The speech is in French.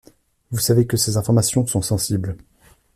Vous savez que ces informations sont sensibles.